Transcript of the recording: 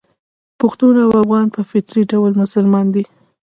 پښتون او افغان په فطري ډول مسلمان دي.